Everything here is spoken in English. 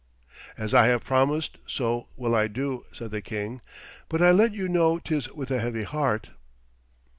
'As I have promised, so will I do,' said the king. 'But I let you know 'tis with a heavy heart.'